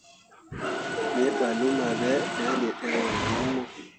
Me ɓah luma be, me ah lii ɗerewol gi iŋ mo.